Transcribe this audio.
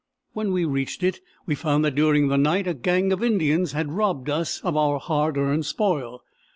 When we reached it we found that during the night a gang of Indians had robbed us of our hard earned spoil.